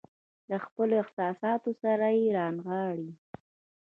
له خپلو احساساتو سره يې رانغاړي.